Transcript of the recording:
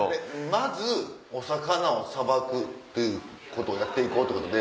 まずお魚を捌くということをやって行こうってことで。